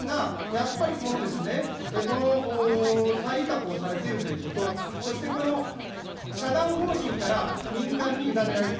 やっぱりこのですね、再委託をされているということ、そしてこの社団法人から民間に委ねられる。